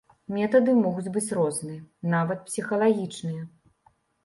Метады могуць быць розныя, нават псіхалагічныя.